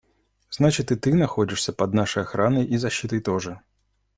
Значит, и ты находишься под нашей охраной и защитой тоже.